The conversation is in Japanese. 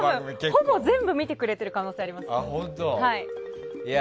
ほぼ全部見てくれてる可能性あります。